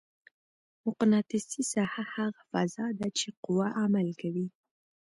مقناطیسي ساحه هغه فضا ده چې قوه عمل کوي.